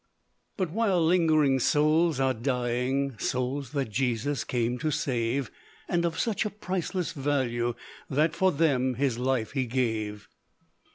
"But while lingering, souls are dying, Souls that Jesus came to save; And of such a priceless value, That for them his life he gave.